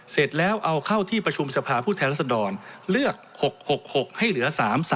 เสร็จแล้วเอาเข้าที่ประชุมสฝรศเลือก๖๖๖ให้เหลือ๓๓๓